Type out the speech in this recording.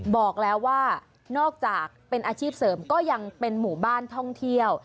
บอกแล้วว่านอกจากเป็นอาชีพเสริมก็ยังเป็นหมู่บ้านท่องเที่ยว